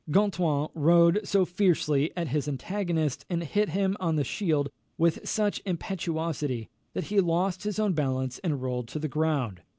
Gontran rode so fiercely at his antagonist, and hit him on the shield with such impetuosity, that he lost his own balance and rolled to the ground.